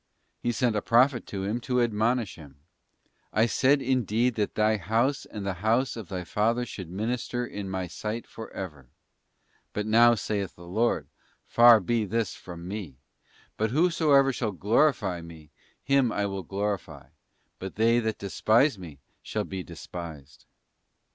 't He sent a prophet to him to admonish him. 'I said indeed that thy house and the house of thy father should minister in My sight for ever. But now saith the Lord, Far be this from Me: but whosoever shall glorify Me, him will I glorify: but they that despise Me shall be despised.